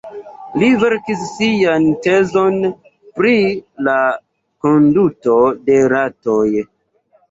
Li verkis sian tezon pri la konduto de ratoj.